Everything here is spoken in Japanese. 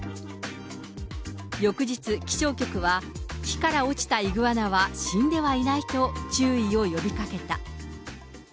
翌日、気象局は、木から落ちたイグアナは死んではいないと注意を呼びかけた。